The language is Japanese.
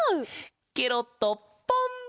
ケロッとポン！